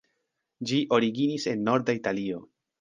Ĝi originis en norda Italio.